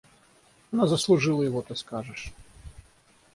Она заслужила его, ты скажешь.